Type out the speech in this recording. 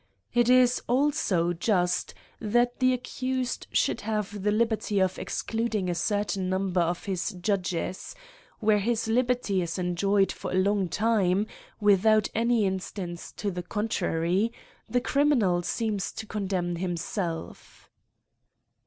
It is also just that the accused should have the liberty of excluding a certain num ber of his judges; where this liberty is enjoyed GRIMES AND PUNISHMENTS. 55 for a long time, without any instance to the con trary, the criminal seems to condemn himself.